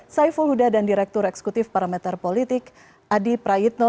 saya fuluda dan direktur eksekutif parameter politik adi prayitno